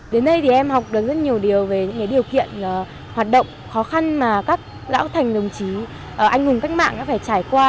đến đây thì em học được rất nhiều điều về những điều kiện hoạt động khó khăn mà các lão thành đồng chí anh hùng cách mạng đã phải trải qua